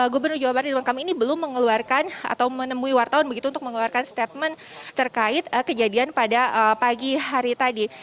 gubernur jawa barat ridwan kamil ini belum mengeluarkan atau menemui wartawan begitu untuk mengeluarkan statement terkait kejadian pada pagi hari tadi